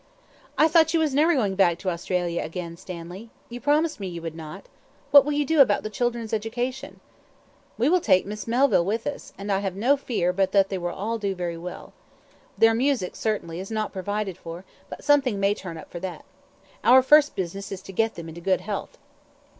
"I thought you was never going back to Australia again, Stanley. You promised me you would not. What will you do about the children's education?" "We will take Miss Melville with us, and I have no fear but that they will all do very well. Their music, certainly, is not provided for; but something may turn up for that. Our first business is to get them into good health."